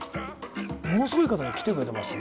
ものすごい方が来てくれてます？